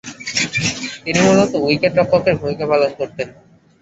তিনি মূলতঃ উইকেট-রক্ষকের ভূমিকা পালন করতেন।